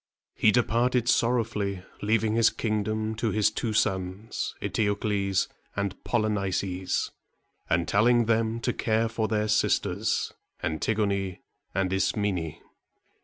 He departed sorrowfully, leaving his kingdom to his two sons, E te´o cles and Pol y ni´ces, and telling them to care for their sisters, An tig´o ne and Is me´ne.